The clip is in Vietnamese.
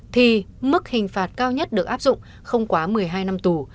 thì mức hình phạt cao nhất được áp dụng không quá một mươi hai năm tù